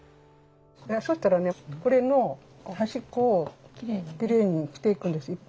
そしたらねこれの端っこをキレイにしていくんです１本ずつ。